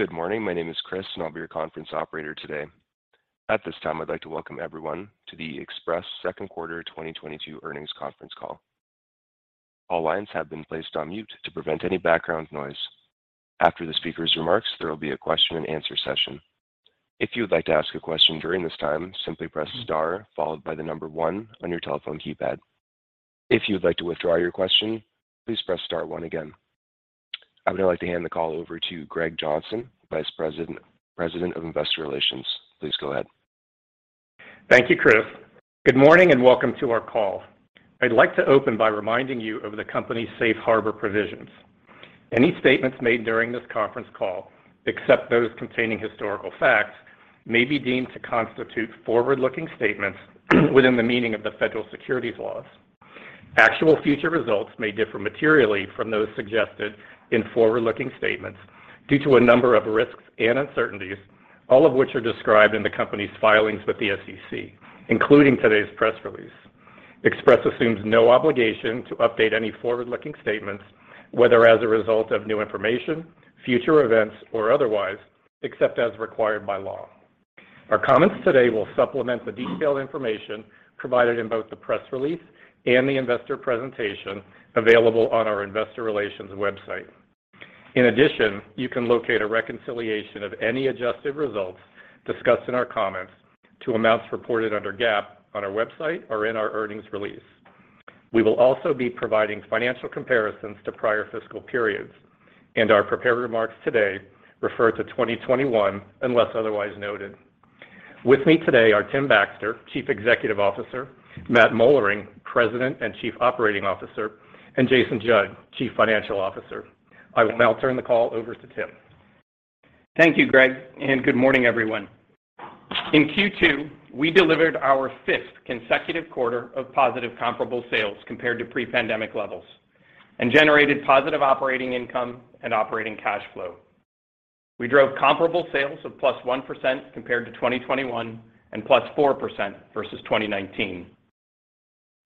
Good morning. My name is Chris, and I'll be your conference operator today. At this time, I'd like to welcome everyone to the Express Second Quarter 2022 earnings conference call. All lines have been placed on mute to prevent any background noise. After the speaker's remarks, there will be a question-and-answer session. If you would like to ask a question during this time, simply press star followed by the number one on your telephone keypad. If you would like to withdraw your question, please press star one again. I would now like to hand the call over to Greg Johnson, Vice President of Investor Relations. Please go ahead. Thank you, Chris. Good morning, and welcome to our call. I'd like to open by reminding you of the company's Safe Harbor provisions. Any statements made during this conference call, except those containing historical facts, may be deemed to constitute forward-looking statements within the meaning of the Federal Securities Laws. Actual future results may differ materially from those suggested in forward-looking statements due to a number of risks and uncertainties, all of which are described in the company's filings with the SEC, including today's press release. Express assumes no obligation to update any forward-looking statements, whether as a result of new information, future events, or otherwise, except as required by law. Our comments today will supplement the detailed information provided in both the press release and the Investor presentation available on our Investor Relations website. In addition, you can locate a reconciliation of any adjusted results discussed in our comments to amounts reported under GAAP on our website or in our earnings release. We will also be providing financial comparisons to prior fiscal periods, and our prepared remarks today refer to 2021, unless otherwise noted. With me today are Tim Baxter, Chief Executive Officer, Matthew Moellering, President and Chief Operating Officer, and Jason Judd, Chief Financial Officer. I will now turn the call over to Tim. Thank you, Greg, and good morning, everyone. In Q2, we delivered our fifth consecutive quarter of positive comparable sales compared to pre-pandemic levels and generated positive operating income and operating cash flow. We drove comparable sales of +1% compared to 2021 and +4% versus 2019.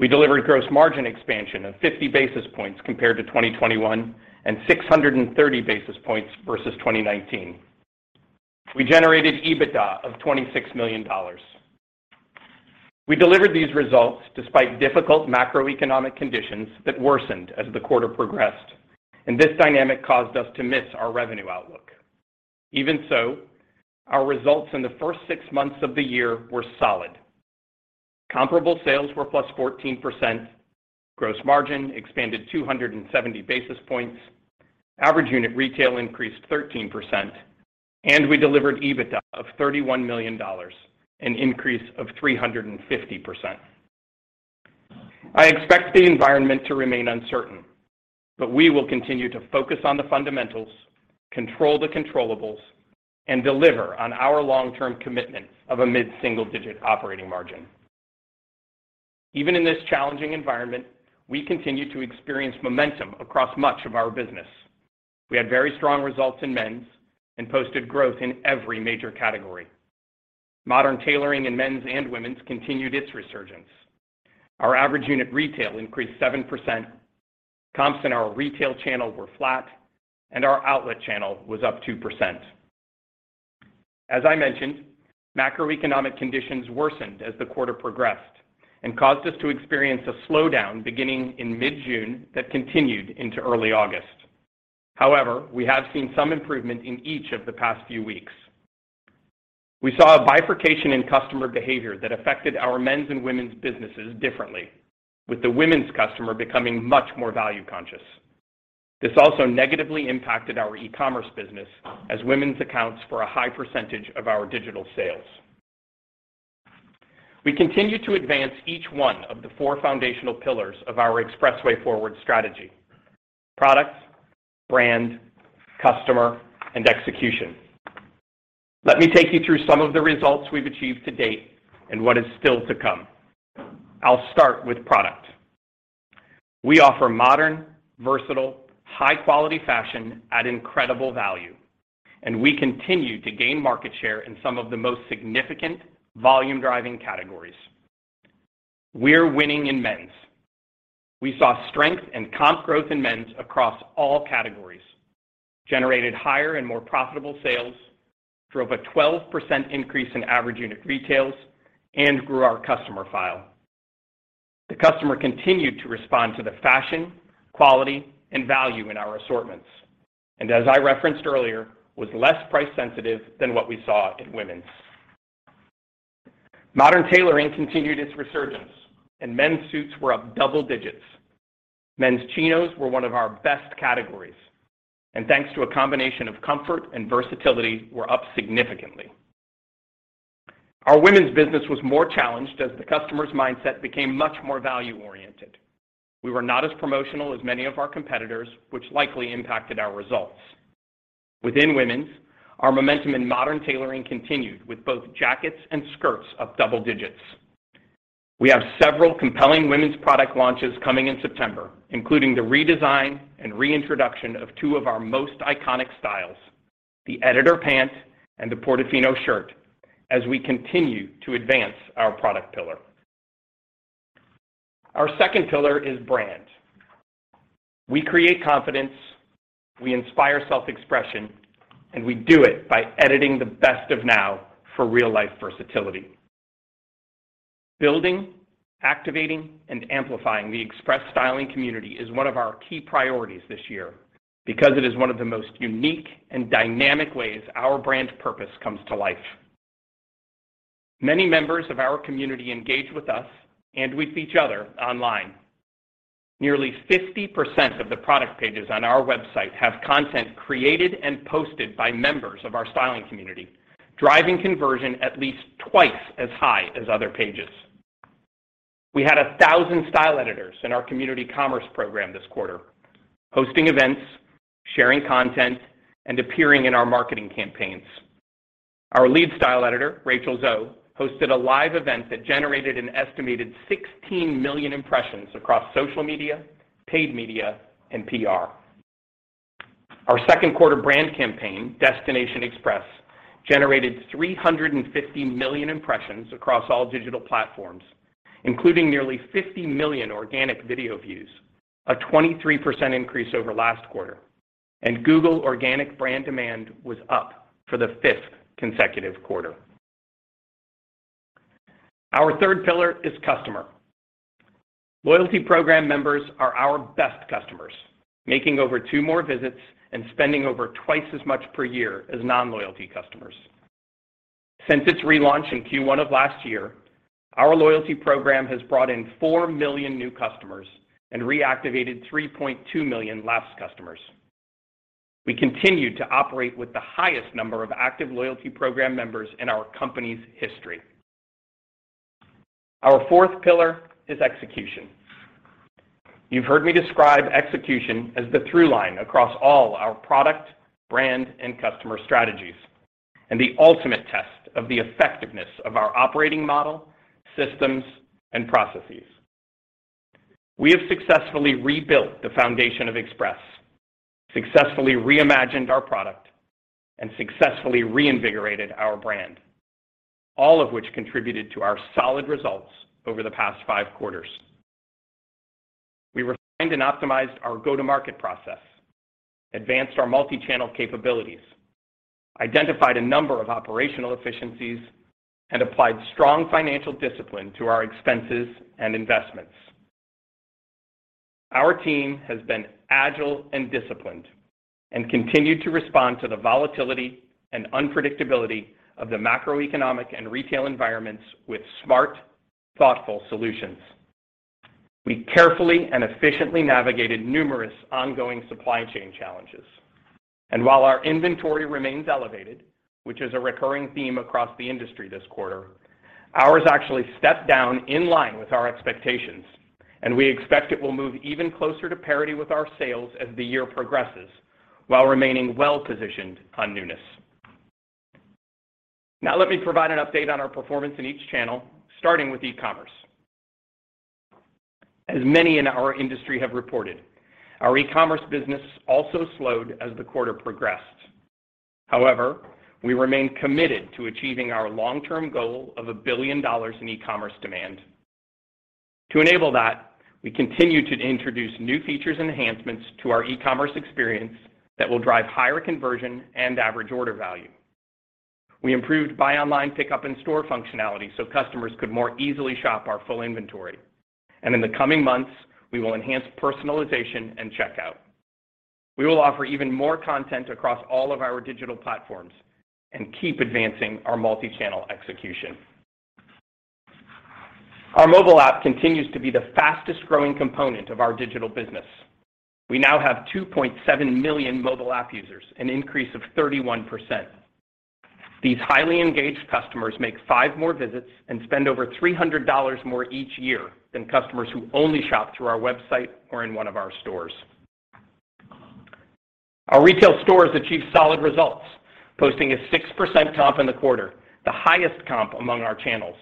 We delivered gross margin expansion of 50 basis points compared to 2021 and 630 basis points versus 2019. We generated EBITDA of $26 million. We delivered these results despite difficult macroeconomic conditions that worsened as the quarter progressed, and this dynamic caused us to miss our revenue outlook. Even so, our results in the first six months of the year were solid. Comparable sales were +14%, gross margin expanded 270 basis points, average unit retail increased 13%, and we delivered EBITDA of $31 million, an increase of 350%. I expect the environment to remain uncertain, but we will continue to focus on the fundamentals, control the controllables, and deliver on our long-term commitment of a mid-single-digit operating margin. Even in this challenging environment, we continue to experience momentum across much of our business. We had very strong results in Men's and posted growth in every major category. Modern tailoring in Men's and Women's continued its resurgence. Our average unit retail increased 7%, comps in our retail channel were flat, and our outlet channel was up 2%. As I mentioned, macroeconomic conditions worsened as the quarter progressed and caused us to experience a slowdown beginning in mid-June that continued into early August. However, we have seen some improvement in each of the past few weeks. We saw a bifurcation in customer behavior that affected our men's and women's businesses differently, with the women's customer becoming much more value-conscious. This also negatively impacted our e-commerce business as women's accounts for a high percentage of our digital sales. We continue to advance each one of the four foundational pillars of our EXPRESSway Forward strategy, Products, Brand, Customer, and Execution. Let me take you through some of the results we've achieved to date and what is still to come. I'll start with Product. We offer modern, versatile, high-quality fashion at incredible value, and we continue to gain market share in some of the most significant volume-driving categories. We're winning in Men's. We saw strength and comp growth in Men's across all categories, generated higher and more profitable sales, drove a 12% increase in average unit retail, and grew our customer file. The customer continued to respond to the fashion, quality, and value in our assortments, and as I referenced earlier, was less price-sensitive than what we saw in Women's. Modern tailoring continued its resurgence, and men's suits were up double digits. Men's chinos were one of our best categories, and thanks to a combination of comfort and versatility, were up significantly. Our Women's business was more challenged as the customer's mindset became much more value-oriented. We were not as promotional as many of our competitors, which likely impacted our results. Within Women's, our momentum in modern tailoring continued with both jackets and skirts up double digits. We have several compelling women's product launches coming in September, including the redesign and reintroduction of two of our most iconic styles, the Editor Pant and the Portofino Shirt, as we continue to advance our product pillar. Our second pillar is Brand. We create confidence, we inspire self-expression, and we do it by editing the best of now for real-life versatility. Building, activating, and amplifying the Express styling community is one of our key priorities this year because it is one of the most unique and dynamic ways our brand purpose comes to life. Many members of our community engage with us and with each other online. Nearly 50% of the product pages on our website have content created and posted by members of our styling community, driving conversion at least twice as high as other pages. We had 1,000 style editors in our community commerce program this quarter, hosting events, sharing content, and appearing in our marketing campaigns. Our lead style editor, Rachel Zoe, hosted a live event that generated an estimated 16 million impressions across social media, paid media, and PR. Our second quarter brand campaign, Destination Express, generated 350 million impressions across all digital platforms, including nearly 50 million organic video views. A 23% increase over last quarter. Google organic brand demand was up for the fifth consecutive quarter. Our third pillar is Customer. Loyalty program members are our best customers, making over two more visits and spending over twice as much per year as non-loyalty customers. Since its relaunch in Q1 of last year, our loyalty program has brought in 4 million new customers and reactivated 3.2 million lapsed customers. We continue to operate with the highest number of active loyalty program members in our company's history. Our fourth pillar is Execution. You've heard me describe execution as the through line across all our product, brand, and customer strategies, and the ultimate test of the effectiveness of our operating model, systems, and processes. We have successfully rebuilt the foundation of Express, successfully reimagined our product, and successfully reinvigorated our brand, all of which contributed to our solid results over the past five quarters. We refined and optimized our go-to-market process, advanced our multi-channel capabilities, identified a number of operational efficiencies, and applied strong financial discipline to our expenses and investments. Our team has been agile and disciplined and continued to respond to the volatility and unpredictability of the macroeconomic and retail environments with smart, thoughtful solutions. We carefully and efficiently navigated numerous ongoing supply chain challenges. While our inventory remains elevated, which is a recurring theme across the industry this quarter, ours actually stepped down in line with our expectations, and we expect it will move even closer to parity with our sales as the year progresses while remaining well-positioned on newness. Now let me provide an update on our performance in each channel, starting with e-commerce. As many in our industry have reported, our e-commerce business also slowed as the quarter progressed. However, we remain committed to achieving our long-term goal of $1 billion in e-commerce demand. To enable that, we continue to introduce new features and enhancements to our e-commerce experience that will drive higher conversion and average order value. We improved buy online pickup in store functionality so customers could more easily shop our full inventory. In the coming months, we will enhance personalization and checkout. We will offer even more content across all of our digital platforms and keep advancing our multi-channel execution. Our mobile app continues to be the fastest-growing component of our digital business. We now have 2.7 million mobile app users, an increase of 31%. These highly engaged customers make five more visits and spend over $300 more each year than customers who only shop through our website or in one of our stores. Our retail stores achieved solid results, posting a 6% comp in the quarter, the highest comp among our channels,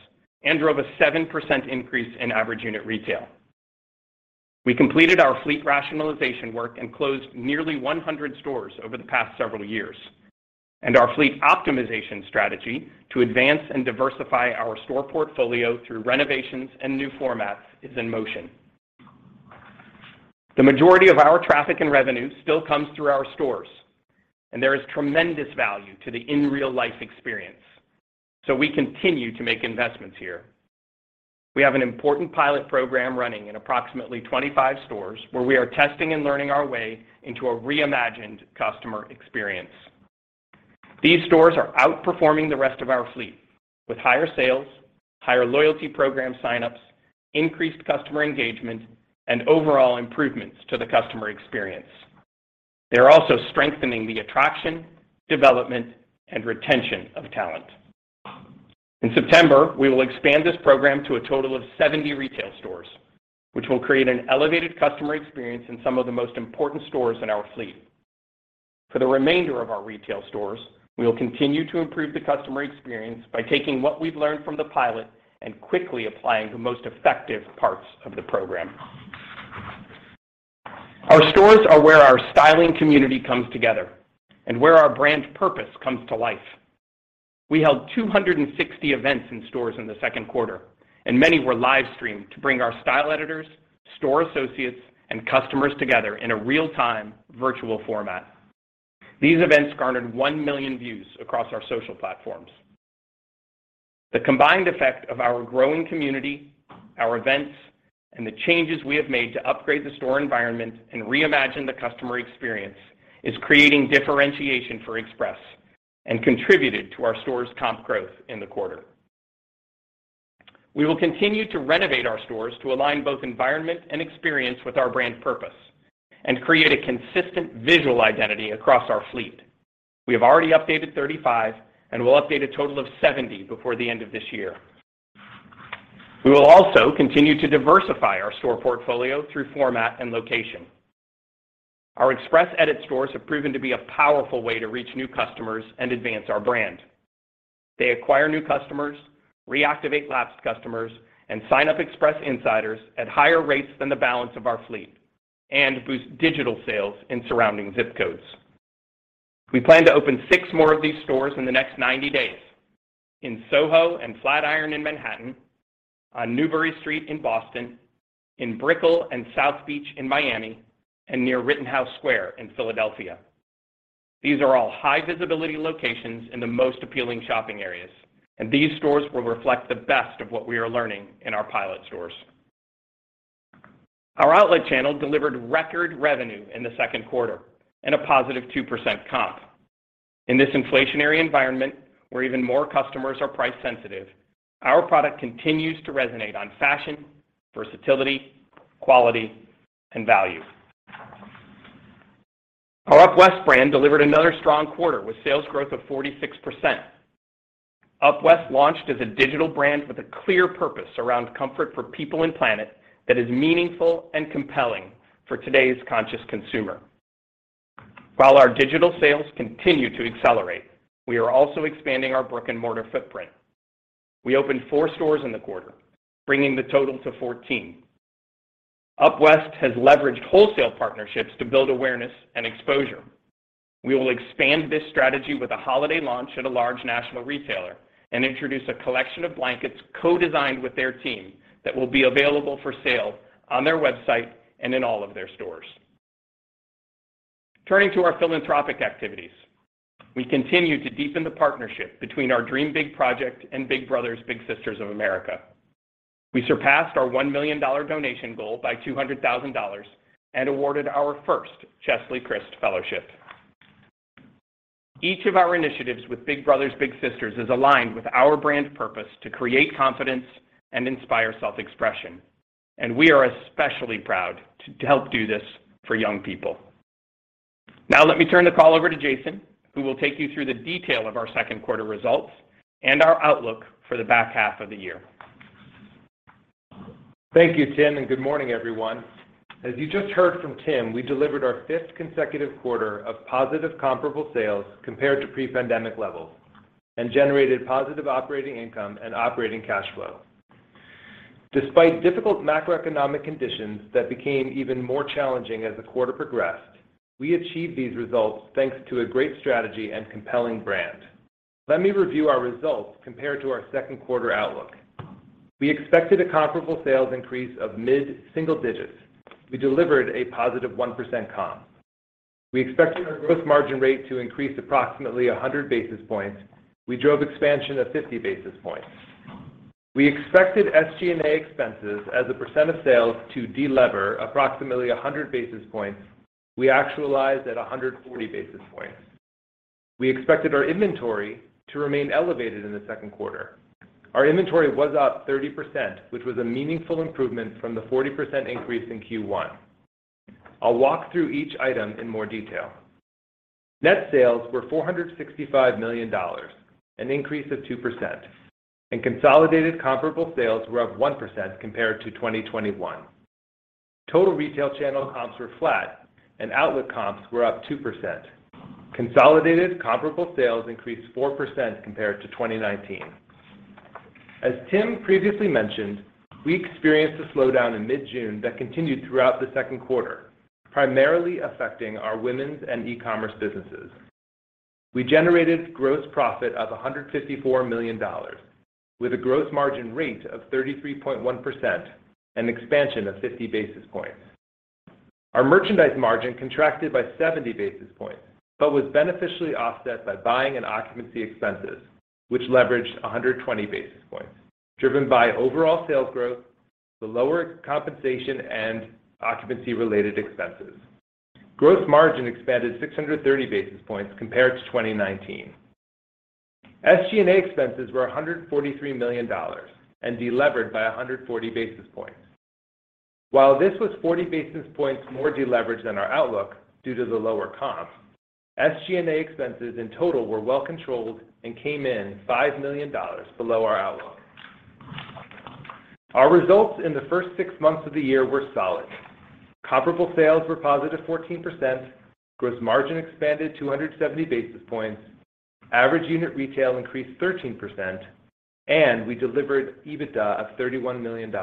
and drove a 7% increase in average unit retail. We completed our fleet rationalization work and closed nearly 100 stores over the past several years. Our fleet optimization strategy to advance and diversify our store portfolio through renovations and new formats is in motion. The majority of our traffic and revenue still comes through our stores, and there is tremendous value to the in real-life experience. We continue to make investments here. We have an important pilot program running in approximately 25 stores where we are testing and learning our way into a reimagined customer experience. These stores are outperforming the rest of our fleet with higher sales, higher loyalty program sign-ups, increased customer engagement, and overall improvements to the customer experience. They're also strengthening the attraction, development, and retention of talent. In September, we will expand this program to a total of 70 retail stores, which will create an elevated customer experience in some of the most important stores in our fleet. For the remainder of our retail stores, we will continue to improve the customer experience by taking what we've learned from the pilot and quickly applying the most effective parts of the program. Our stores are where our styling community comes together and where our brand purpose comes to life. We held 260 events in stores in the second quarter, and many were live-streamed to bring our style editors, store associates, and customers together in a real-time virtual format. These events garnered 1,000,000 views across our social platforms. The combined effect of our growing community, our events, and the changes we have made to upgrade the store environment and reimagine the customer experience is creating differentiation for Express and contributed to our store's comp growth in the quarter. We will continue to renovate our stores to align both environment and experience with our brand purpose and create a consistent visual identity across our fleet. We have already updated 35, and we'll update a total of 70 before the end of this year. We will also continue to diversify our store portfolio through format and location. Our Express Edit stores have proven to be a powerful way to reach new customers and advance our brand. They acquire new customers, reactivate lapsed customers, and sign up Express Insiders at higher rates than the balance of our fleet and boost digital sales in surrounding ZIP codes. We plan to open six more of these stores in the next 90 days in Soho and Flatiron in Manhattan, on Newbury Street in Boston, in Brickell and South Beach in Miami, and near Rittenhouse Square in Philadelphia. These are all high-visibility locations in the most appealing shopping areas, and these stores will reflect the best of what we are learning in our pilot stores. Our outlet channel delivered record revenue in the second quarter and a +2% comp. In this inflationary environment, where even more customers are price-sensitive, our product continues to resonate on fashion, versatility, quality, and value. Our UpWest brand delivered another strong quarter with sales growth of 46%. UpWest launched as a digital brand with a clear purpose around comfort for people and planet that is meaningful and compelling for today's conscious consumer. While our digital sales continue to accelerate, we are also expanding our brick-and-mortar footprint. We opened four stores in the quarter, bringing the total to 14. UpWest has leveraged wholesale partnerships to build awareness and exposure. We will expand this strategy with a holiday launch at a large national retailer and introduce a collection of blankets co-designed with their team that will be available for sale on their website and in all of their stores. Turning to our philanthropic activities, we continue to deepen the partnership between our Dream Big Project and Big Brothers Big Sisters of America. We surpassed our $1 million donation goal by $200,000 and awarded our first Cheslie Kryst Fellowship. Each of our initiatives with Big Brothers Big Sisters is aligned with our brand purpose to create confidence and inspire self-expression, and we are especially proud to help do this for young people. Now, let me turn the call over to Jason, who will take you through the detail of our second quarter results and our outlook for the back half of the year. Thank you, Tim, and good morning, everyone. As you just heard from Tim, we delivered our fifth consecutive quarter of positive comparable sales compared to pre-pandemic levels and generated positive operating income and operating cash flow. Despite difficult macroeconomic conditions that became even more challenging as the quarter progressed, we achieved these results thanks to a great strategy and compelling brand. Let me review our results compared to our second quarter outlook. We expected a comparable sales increase of mid-single digits. We delivered a positive 1% comp. We expected our gross margin rate to increase approximately 100 basis points. We drove expansion of 50 basis points. We expected SG&A expenses as a percent of sales to delever approximately 100 basis points. We actualized at 140 basis points. We expected our inventory to remain elevated in the second quarter. Our inventory was up 30%, which was a meaningful improvement from the 40% increase in Q1. I'll walk through each item in more detail. Net sales were $465 million, an increase of 2%, and consolidated comparable sales were up 1% compared to 2021. Total retail channel comps were flat, and outlet comps were up 2%. Consolidated comparable sales increased 4% compared to 2019. As Tim previously mentioned, we experienced a slowdown in mid-June that continued throughout the second quarter, primarily affecting our women's and e-commerce businesses. We generated gross profit of $154 million with a gross margin rate of 33.1% and expansion of 50 basis points. Our merchandise margin contracted by 70 basis points but was beneficially offset by buying and occupancy expenses, which leveraged 120 basis points, driven by overall sales growth, the lower compensation and occupancy-related expenses. Gross margin expanded 630 basis points compared to 2019. SG&A expenses were $143 million and delevered by 140 basis points. While this was 40 basis points more deleveraged than our outlook due to the lower comps, SG&A expenses in total were well controlled and came in $5 million below our outlook. Our results in the first six months of the year were solid. Comparable sales were positive 14%. Gross margin expanded 270 basis points. Average unit retail increased 13%, and we delivered EBITDA of $31 million.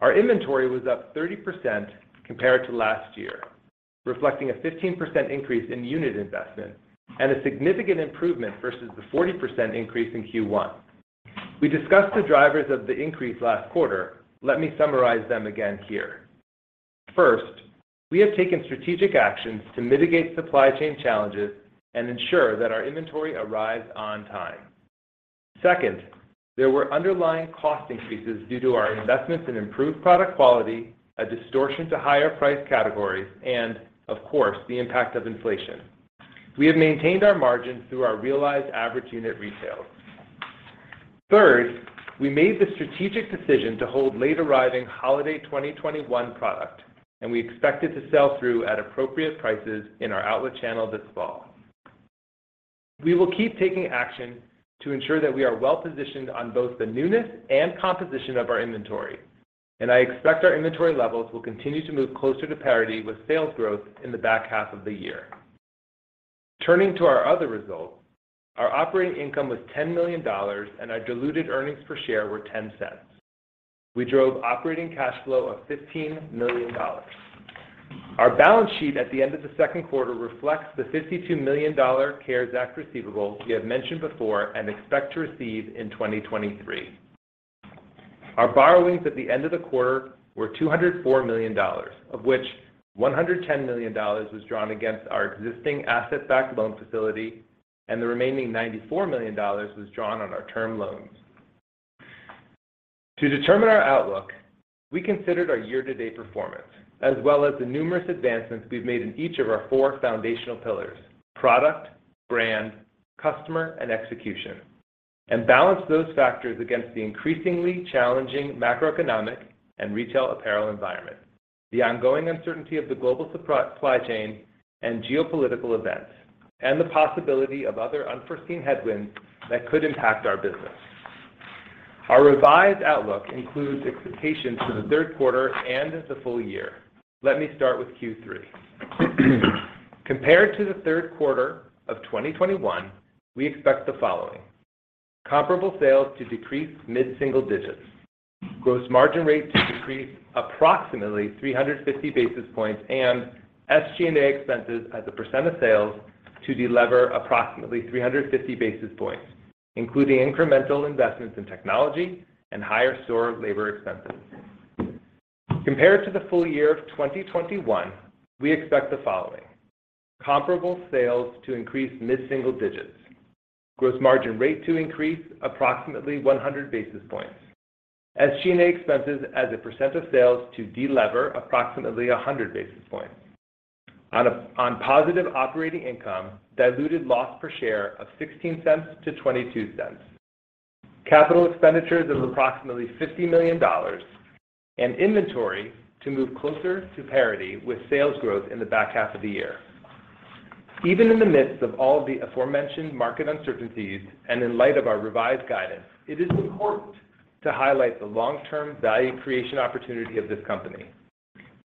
Our inventory was up 30% compared to last year, reflecting a 15% increase in unit investment and a significant improvement versus the 40% increase in Q1. We discussed the drivers of the increase last quarter. Let me summarize them again here. First, we have taken strategic actions to mitigate supply chain challenges and ensure that our inventory arrives on time. Second, there were underlying cost increases due to our investments in improved product quality, a distortion to higher price categories, and of course, the impact of inflation. We have maintained our margins through our realized average unit retail. Third, we made the strategic decision to hold late-arriving holiday 2021 product, and we expect it to sell through at appropriate prices in our outlet channel this fall. We will keep taking action to ensure that we are well-positioned on both the newness and composition of our inventory, and I expect our inventory levels will continue to move closer to parity with sales growth in the back half of the year. Turning to our other results, our operating income was $10 million, and our Diluted Earnings Per Share were $0.10. We drove operating cash flow of $15 million. Our balance sheet at the end of the second quarter reflects the $52 million CARES Act receivable we have mentioned before and expect to receive in 2023. Our borrowings at the end of the quarter were $204 million, of which $110 million was drawn against our existing asset-backed loan facility, and the remaining $94 million was drawn on our term loans. To determine our outlook, we considered our year-to-date performance, as well as the numerous advancements we've made in each of our four foundational pillars, product, brand, customer, and execution, and balanced those factors against the increasingly challenging macroeconomic and retail apparel environment, the ongoing uncertainty of the global supply chain and geopolitical events, and the possibility of other unforeseen headwinds that could impact our business. Our revised outlook includes expectations for the third quarter and the full year. Let me start with Q3. Compared to the third quarter of 2021, we expect the following. Comparable sales to decrease mid-single digits%, gross margin rate to decrease approximately 350 basis points, and SG&A expenses as a percent of sales to delever approximately 350 basis points, including incremental investments in technology and higher store labor expenses. Compared to the full year of 2021, we expect the following. Comparable sales to increase mid-single digits, gross margin rate to increase approximately 100 basis points, SG&A expenses as a percent of sales to delever approximately 100 basis points. On positive operating income, Diluted loss per share of $0.16-$0.22. Capital expenditures of approximately $50 million and inventory to move closer to parity with sales growth in the back half of the year. Even in the midst of all the aforementioned market uncertainties and in light of our revised guidance, it is important to highlight the long-term value creation opportunity of this company.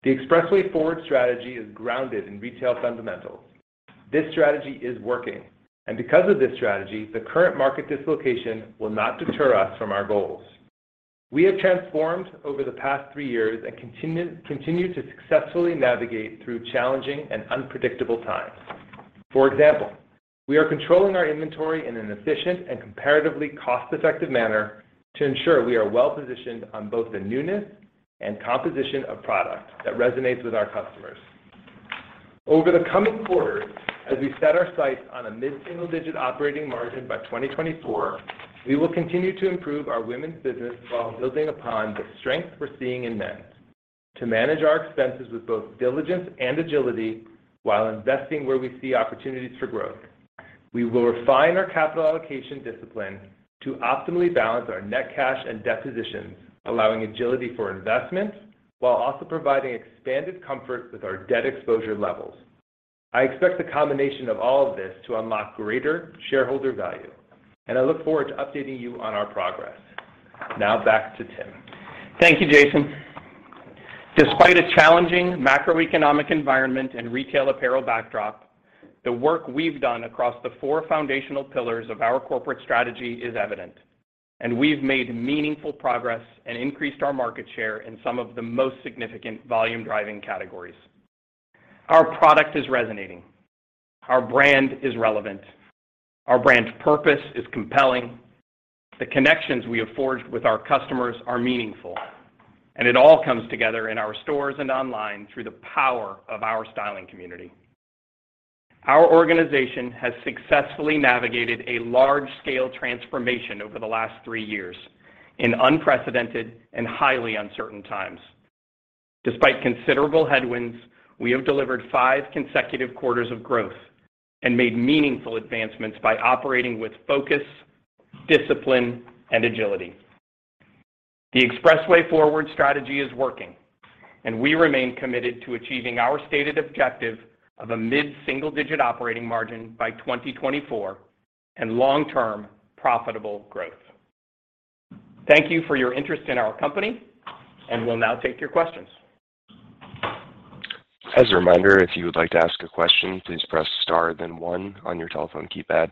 The EXPRESSway Forward strategy is grounded in retail fundamentals. This strategy is working, and because of this strategy, the current market dislocation will not deter us from our goals. We have transformed over the past three years and continue to successfully navigate through challenging and unpredictable times. For example, we are controlling our inventory in an efficient and comparatively cost-effective manner to ensure we are well-positioned on both the newness and composition of product that resonates with our customers. Over the coming quarters, as we set our sights on a mid-single-digit% operating margin by 2024, we will continue to improve our women's business while building upon the strength we're seeing in men's to manage our expenses with both diligence and agility while investing where we see opportunities for growth. We will refine our capital allocation discipline to optimally balance our net cash and debt positions, allowing agility for investment while also providing expanded comfort with our debt exposure levels. I expect the combination of all of this to unlock greater shareholder value, and I look forward to updating you on our progress. Now back to Tim. Thank you, Jason. Despite a challenging macroeconomic environment and retail apparel backdrop, the work we've done across the four foundational pillars of our corporate strategy is evident, and we've made meaningful progress and increased our market share in some of the most significant volume-driving categories. Our product is resonating. Our brand is relevant. Our brand's purpose is compelling. The connections we have forged with our customers are meaningful, and it all comes together in our stores and online through the power of our styling community. Our organization has successfully navigated a large-scale transformation over the last three years in unprecedented and highly uncertain times. Despite considerable headwinds, we have delivered five consecutive quarters of growth and made meaningful advancements by operating with focus, discipline, and agility. The EXPRESSway Forward strategy is working, and we remain committed to achieving our stated objective of a mid-single-digit operating margin by 2024 and long-term profitable growth. Thank you for your interest in our company, and we'll now take your questions. As a reminder, if you would like to ask a question, please press star then one on your telephone keypad.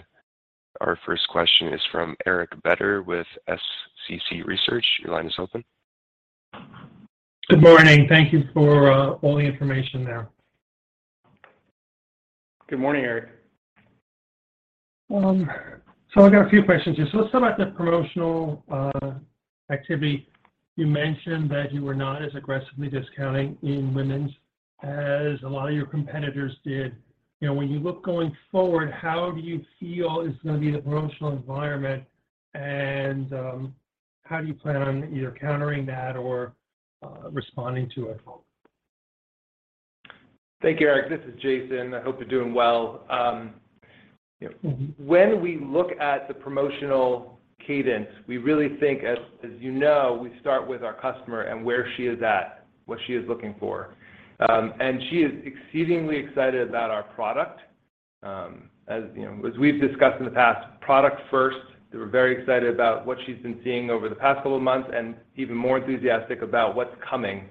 Our first question is from Eric Beder with SCC Research. Your line is open. Good morning. Thank you for all the information there. Good morning, Eric. I got a few questions here. Let's talk about the promotional activity. You mentioned that you were not as aggressively discounting in women's as a lot of your competitors did. You know, when you look going forward, how do you feel is gonna be the promotional environment and how do you plan on either countering that or responding to it? Thank you, Eric. This is Jason. I hope you're doing well. When we look at the promotional cadence, we really think, as you know, we start with our customer and where she is at, what she is looking for. She is exceedingly excited about our product. As you know, as we've discussed in the past, product first. They were very excited about what she's been seeing over the past couple of months and even more enthusiastic about what's coming.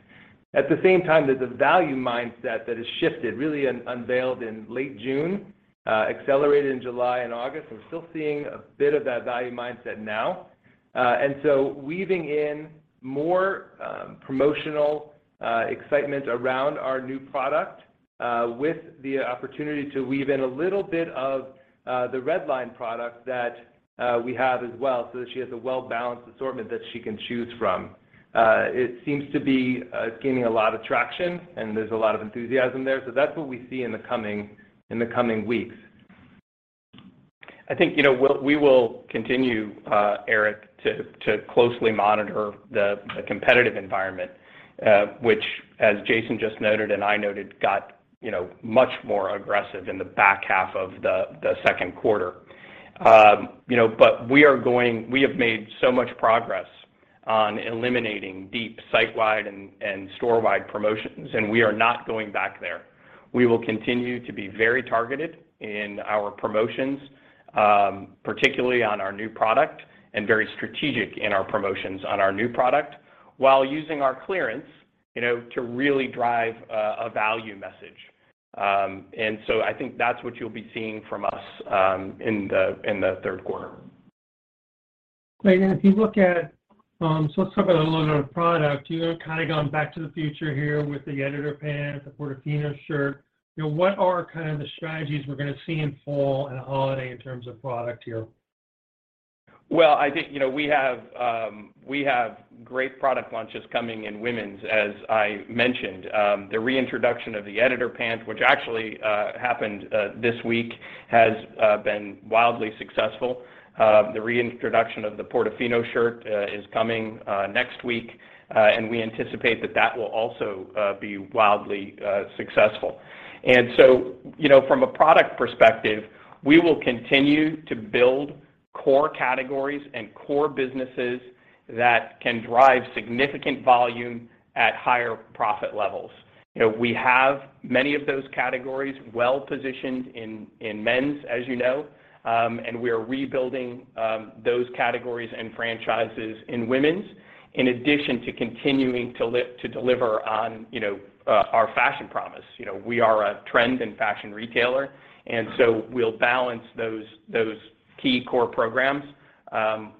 At the same time, there's a value mindset that has shifted, really unveiled in late June, accelerated in July and August. We're still seeing a bit of that value mindset now. Weaving in more promotional excitement around our new product with the opportunity to weave in a little bit of the Red Line product that we have as well so that she has a well-balanced assortment that she can choose from. It seems to be gaining a lot of traction and there's a lot of enthusiasm there. That's what we see in the coming weeks. I think, you know, we will continue, Eric, to closely monitor the competitive environment, which as Jason just noted and I noted got, you know, much more aggressive in the back half of the second quarter. You know, but we have made so much progress on eliminating deep site-wide and store-wide promotions, and we are not going back there. We will continue to be very targeted in our promotions, particularly on our new product and very strategic in our promotions on our new product, while using our clearance, you know, to really drive a value message. I think that's what you'll be seeing from us in the third quarter. Great. If you look at, so let's talk about a little bit of product. You have kind of gone back to the future here with the Editor Pant, the Portofino Shirt. You know, what are kind of the strategies we're gonna see in fall and holiday in terms of product here? Well, I think, you know, we have great product launches coming in women's, as I mentioned. The reintroduction of the Editor Pant, which actually happened this week, has been wildly successful. The reintroduction of the Portofino Shirt is coming next week, and we anticipate that that will also be wildly successful. You know, from a product perspective, we will continue to build core categories and core businesses that can drive significant volume at higher profit levels. You know, we have many of those categories well positioned in men's, as you know, and we are rebuilding those categories and franchises in women's in addition to continuing to deliver on, you know, our fashion promise. You know, we are a trend and fashion retailer, and so we'll balance those key core programs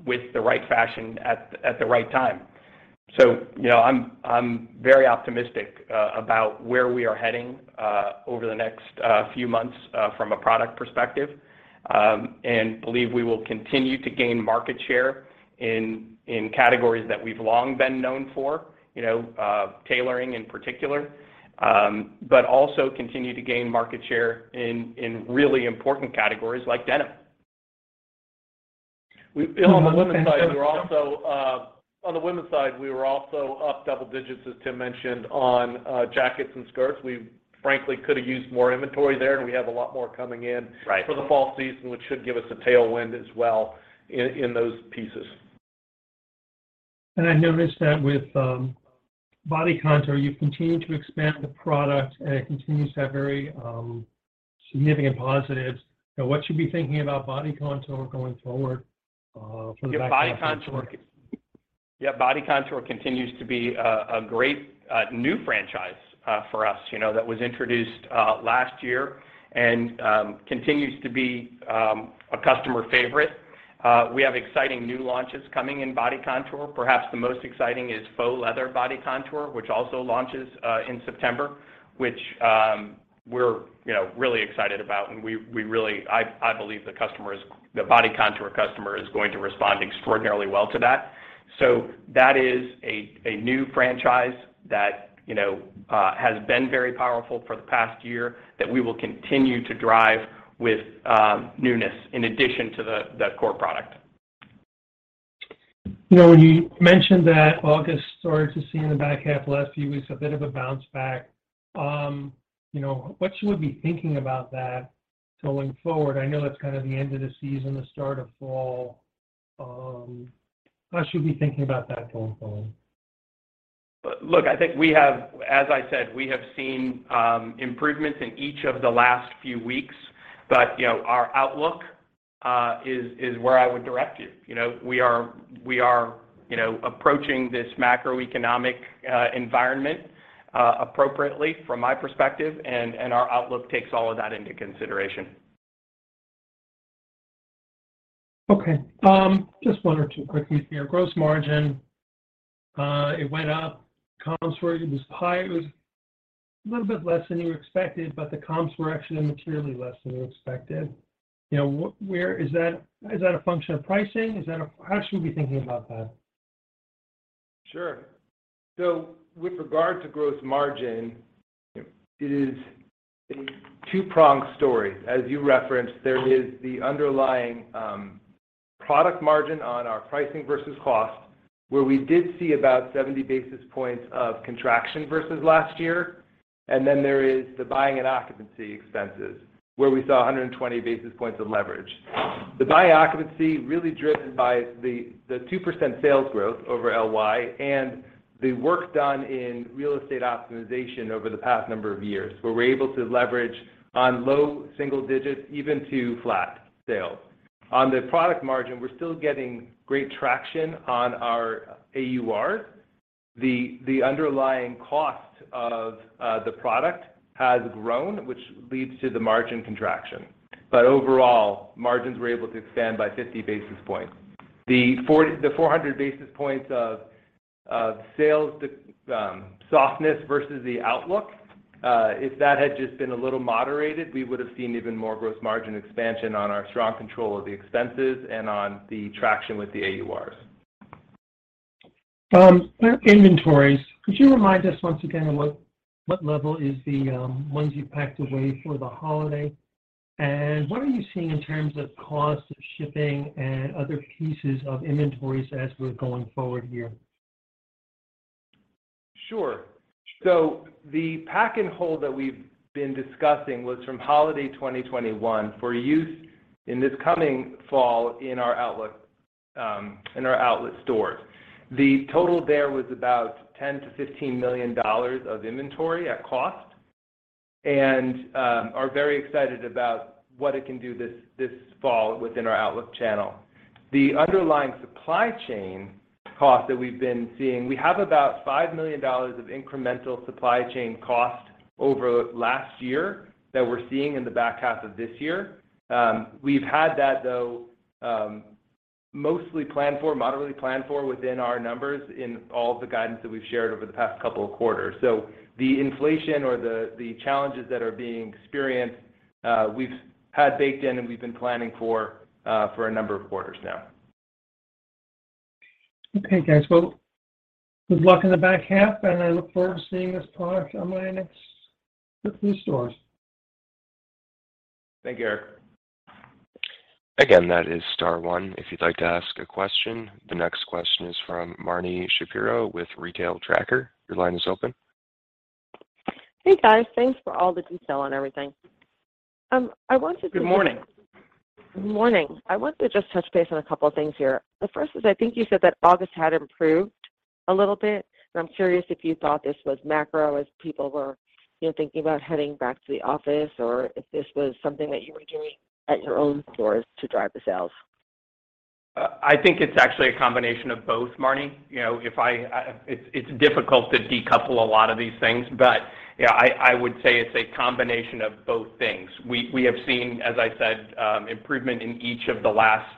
with the right fashion at the right time. You know, I'm very optimistic about where we are heading over the next few months from a product perspective, and believe we will continue to gain market share in categories that we've long been known for, you know, tailoring in particular, but also continue to gain market share in really important categories like denim. Eric, on the women's side, we were also up double digits, as Tim mentioned, on jackets and skirts. We frankly could have used more inventory there, and we have a lot more coming in. Right For the fall season, which should give us a tailwind as well in those pieces. I noticed that with Body Contour, you've continued to expand the product, and it continues to have very significant positives. Now what should we be thinking about Body Contour going forward for the back half of the year? Yeah, Body Contour continues to be a great new franchise for us, you know, that was introduced last year and continues to be a customer favorite. We have exciting new launches coming in Body Contour. Perhaps the most exciting is faux leather Body Contour, which also launches in September, which we're, you know, really excited about and we really believe the Body Contour customer is going to respond extraordinarily well to that. So that is a new franchise that, you know, has been very powerful for the past year that we will continue to drive with newness in addition to the core product. You know, when you mentioned that August started to see in the back half last few weeks a bit of a bounce back, you know, what should we be thinking about that going forward? I know that's kind of the end of the season, the start of fall. What should we be thinking about that going forward? Look, I think we have, as I said, we have seen improvements in each of the last few weeks. You know, our outlook is where I would direct you. You know, we are, you know, approaching this macroeconomic environment appropriately from my perspective, and our outlook takes all of that into consideration. Okay. Just one or two quickly here. Gross margin, it went up. Comps were high. It was a little bit less than you expected, but the comps were actually materially less than you expected. You know, where is that a function of pricing? How should we be thinking about that? Sure. With regard to gross margin, it is a two-pronged story. As you referenced, there is the underlying, product margin on our pricing versus cost, where we did see about 70 basis points of contraction versus last year. There is the buying and occupancy expenses, where we saw 120 basis points of leverage. The buying and occupancy really driven by the 2% sales growth over LY and the work done in real estate optimization over the past number of years, where we're able to leverage on low single digits even to flat sales. On the product margin, we're still getting great traction on our AUR. The underlying cost of the product has grown, which leads to the margin contraction. Overall, margins were able to expand by 50 basis points. The 400 basis points of sales softness versus the outlook, if that had just been a little moderated, we would've seen even more gross margin expansion on our strong control of the expenses and on the traction with the AURs. Inventories. Could you remind us once again what level is the ones you packed away for the holiday? What are you seeing in terms of cost of shipping and other pieces of inventories as we're going forward here? Sure. The pack and hold that we've been discussing was from holiday 2021 for use in this coming fall in our outlet stores. The total there was about $10 million-$15 million of inventory at cost, and are very excited about what it can do this fall within our outlet channel. The underlying supply chain cost that we've been seeing, we have about $5 million of incremental supply chain cost over last year that we're seeing in the back half of this year. We've had that though, mostly planned for, moderately planned for within our numbers in all the guidance that we've shared over the past couple of quarters. The inflation or the challenges that are being experienced, we've had baked in and we've been planning for a number of quarters now. Okay, guys. Well, good luck in the back half, and I look forward to seeing this product on my next trip to the stores. Thank you. Again, that is star one if you'd like to ask a question. The next question is from Marni Shapiro with The Retail Tracker. Your line is open. Hey, guys. Thanks for all the detail on everything. I wanted to, Good morning. Morning. I want to just touch base on a couple of things here. The first is I think you said that August had improved a little bit, and I'm curious if you thought this was macro as people were, you know, thinking about heading back to the office or if this was something that you were doing at your own stores to drive the sales. I think it's actually a combination of both, Marni. You know, It's difficult to decouple a lot of these things, but yeah, I would say it's a combination of both things. We have seen, as I said, improvement in each of the last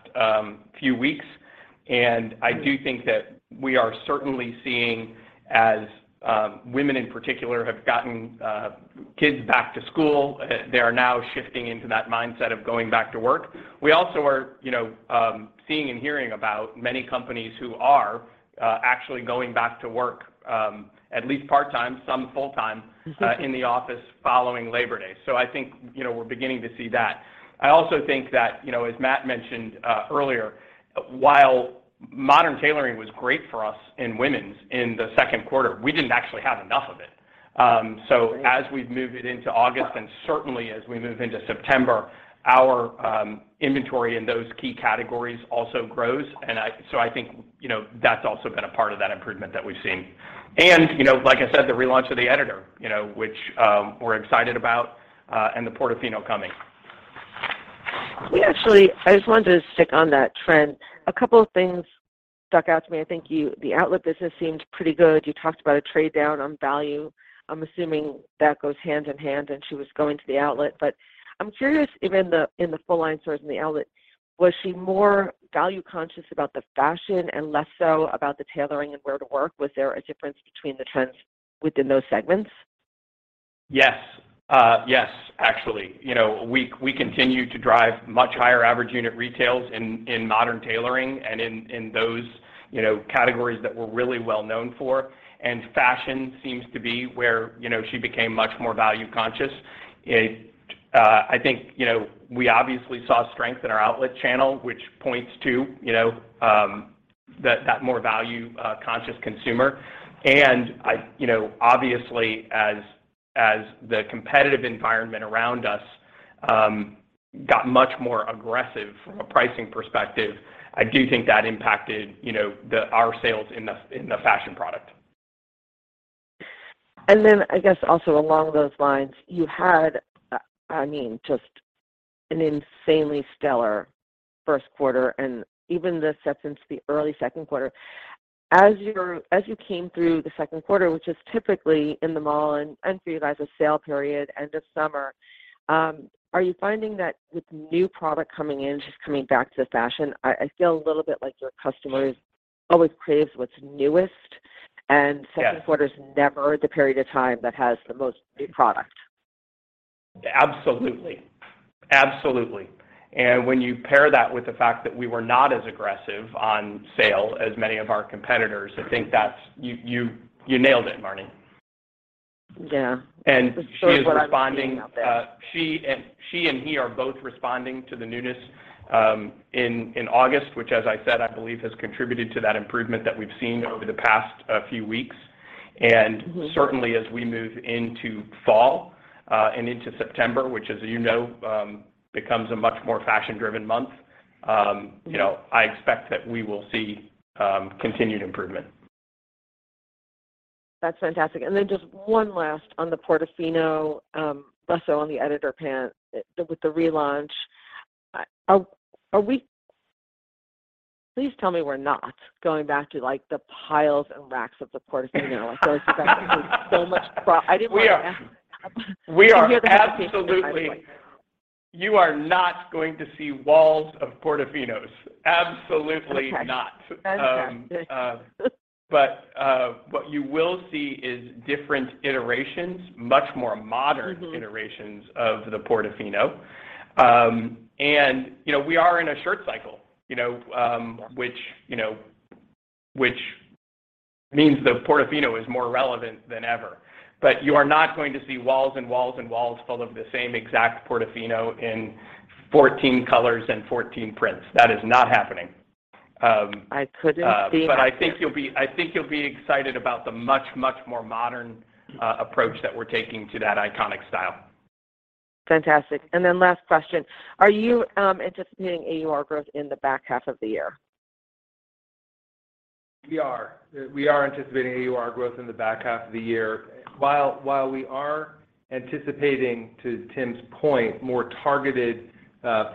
few weeks. I do think that we are certainly seeing as women in particular have gotten kids back to school, they are now shifting into that mindset of going back to work. We also are, you know, seeing and hearing about many companies who are actually going back to work, at least part-time, some full-time. Mm-hmm in the office following Labor Day. I think, you know, we're beginning to see that. I also think that, you know, as Matt mentioned, earlier, while modern tailoring was great for us in women's in the second quarter, we didn't actually have enough of it. As we've moved it into August and certainly as we move into September, our inventory in those key categories also grows. I think, you know, that's also been a part of that improvement that we've seen. You know, like I said, the relaunch of the Editor, you know, which we're excited about, and the Portofino coming. We actually, I just wanted to stick on that trend. A couple of things stuck out to me. I think you, the outlet business seemed pretty good. You talked about a trade down on value. I'm assuming that goes hand in hand and she was going to the outlet. I'm curious if in the full line stores and the outlet, was she more value conscious about the fashion and less so about the Tailoring and Wear to Work? Was there a difference between the trends within those segments? Yes. Yes, actually. You know, we continue to drive much higher average unit retails in modern tailoring and in those, you know, categories that we're really well known for. Fashion seems to be where, you know, she became much more value conscious. I think, you know, we obviously saw strength in our outlet channel, which points to, you know, that more value conscious consumer. I, you know, obviously as the competitive environment around us got much more aggressive from a pricing perspective, I do think that impacted, you know, our sales in the fashion product. I guess also along those lines, you had, I mean, just an insanely stellar first quarter and even this set into the early second quarter. As you came through the second quarter, which is typically in the mall and for you guys a sale period, end of summer, are you finding that with new product coming in, just coming back to fashion, I feel a little bit like your customers always craves what's newest. Yes. Second quarter is never the period of time that has the most new product. Absolutely. When you pair that with the fact that we were not as aggressive on sale as many of our competitors, I think that's. You nailed it, Marnie. Yeah. That's sort of what I was getting at there. She is responding. She and he are both responding to the newness in August, which as I said, I believe has contributed to that improvement that we've seen over the past few weeks. Mm-hmm. Certainly as we move into fall, and into September, which as you know, becomes a much more fashion driven month, you know, I expect that we will see continued improvement. That's fantastic. Just one last on the Portofino, less so on the Editor Pant with the relaunch. Are we? Please tell me we're not going back to like the piles and racks of the Portofino. Like, that was just like so much pro- We are. I didn't want to ask. We are absolutely- I can hear the hesitation in your voice. You are not going to see walls of Portofinos. Absolutely not. Okay. Fantastic. What you will see is different iterations, much more modern. Mm-hmm Iterations of the Portofino. You know, we are in a shirt cycle, you know, which, you know, which means the Portofino is more relevant than ever. You are not going to see walls and walls and walls full of the same exact Portofino in 14 colors and 14 prints. That is not happening. I couldn't be happier. I think you'll be excited about the much, much more modern approach that we're taking to that iconic style. Fantastic. Last question: Are you anticipating AUR growth in the back half of the year? We are anticipating AUR growth in the back half of the year. While we are anticipating, to Tim's point, more targeted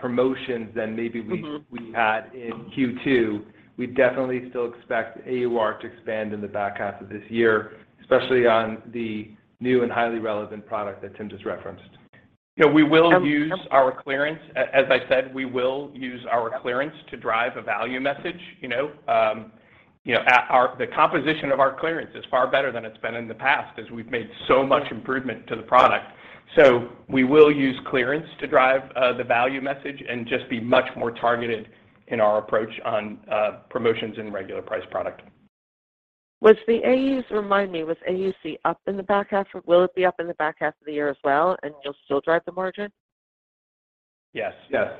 promotions than maybe we- Mm-hmm We had in Q2, we definitely still expect AUR to expand in the back half of this year, especially on the new and highly relevant product that Tim just referenced. You know, we will use our clearance. As I said, we will use our clearance to drive a value message, you know. You know, our the composition of our clearance is far better than it's been in the past as we've made so much improvement to the product. We will use clearance to drive the value message and just be much more targeted in our approach on promotions and regular priced product. Remind me, was AUC up in the back half or will it be up in the back half of the year as well, and you'll still drive the margin? Yes. Yes.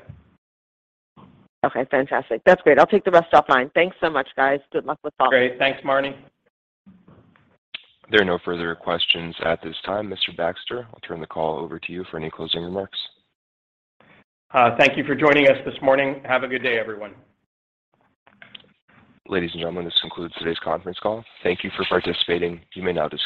Okay, fantastic. That's great. I'll take the rest offline. Thanks so much, guys. Good luck with fall. Great. Thanks Marnie. There are no further questions at this time. Mr. Baxter, I'll turn the call over to you for any closing remarks. Thank you for joining us this morning. Have a good day, everyone. Ladies and gentlemen, this concludes today's conference call. Thank you for participating. You may now disconnect.